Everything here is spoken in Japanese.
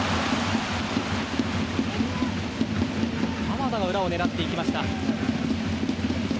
鎌田が裏を狙っていきました。